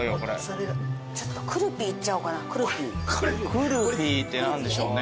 くるピーって何でしょうね。